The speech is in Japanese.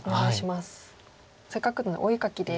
せっかくなのでお絵描きで。